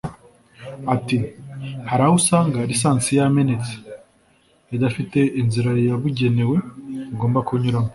Ati “hari aho usanga lisansi yamenetse idafite inzira yabugenewe igomba kunyuzwamo